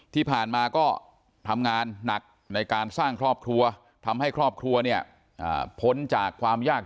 ที่ผ่านมาก็ทำงานหนักในการสร้างครอบครัวทำให้ครอบครัวเนี่ยพ้นจากความยาก